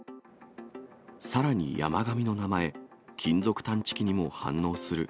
さらに山上の名前、金属探知機にも反応する。